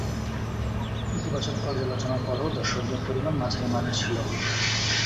ইতিবাচক পর্যালোচনার পরও দর্শকের পরিমাণ মাঝারিমানের ছিল।